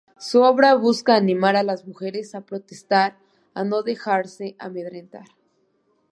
Su obra busca animar a las mujeres a protestar, a no dejarse amedrentar.